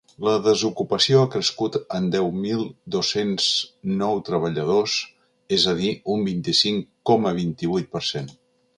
La desocupació ha crescut en deu mil dos-cents nou treballadors, és a dir un vint-i-cinc coma vint-i-vuit per cent.